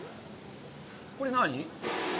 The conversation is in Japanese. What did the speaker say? これ何？